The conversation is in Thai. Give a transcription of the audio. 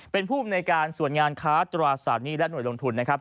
เป็นผู้อำนวยการส่วนงานค้าตราสารหนี้และหน่วยลงทุนนะครับ